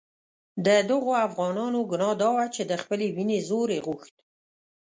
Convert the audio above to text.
د دغو افغانانو ګناه دا وه چې د خپلې وینې زور یې غوښت.